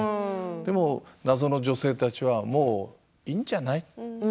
でも謎の女性たちはもういいんじゃない？